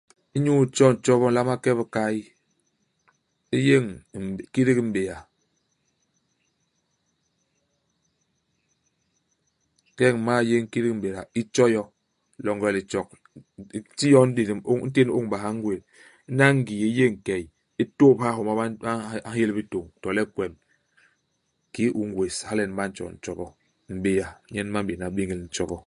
Inyu itjo ntjobo u nlama ke i bikay, u yéñ m'bé kidik i m'béa. Ingeñ u m'mal yéñ kidik i m'béa, u tjo yo longe i litjok. U ti yo nlélem ông i ntén u ôngbaha u ngwés. Hana i ngii, u yéñ key, u tôp ha i homa ba ba nhél bitôñ to le kwem, kiki u ngwés. Hala nyen ba ntjo ntjobo. M'béa nyen ba m'béna béñél ntjobo.